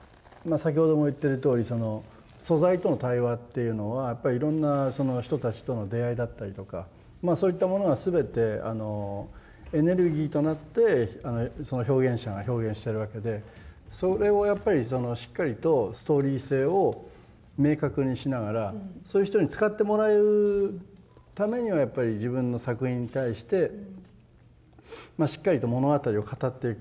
先ほども言ってるとおり素材との対話っていうのはやっぱりいろんな人たちとの出会いだったりとかそういったものが全てエネルギーとなってその表現者が表現してるわけでそれをやっぱりしっかりとストーリー性を明確にしながらそういう人に使ってもらうためにはやっぱり自分の作品に対してまあしっかりと物語を語っていく。